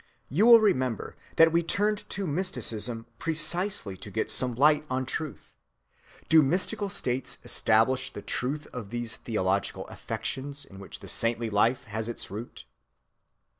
You will remember that we turned to mysticism precisely to get some light on truth. Do mystical states establish the truth of those theological affections in which the saintly life has its root?